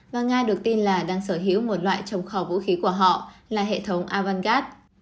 và nga được tin là đang sở hữu một loại trồng cỏ vũ khí của họ là hệ thống avangard